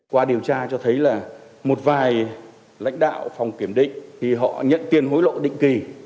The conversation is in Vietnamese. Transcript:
qua điều tra cho thấy là một vài lãnh đạo phòng kiểm định thì họ nhận tiền hối lộ định kỳ